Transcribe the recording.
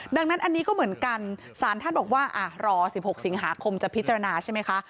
ดังนั้นอันนี้ก็เหมือนกันสารท่านบอกว่ารอ๑๖สิงหาคมจะพิจารณาใช่ไหมคะ